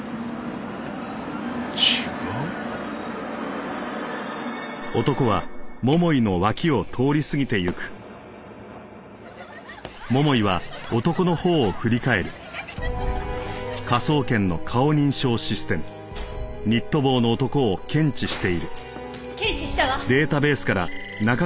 違う？検知したわ！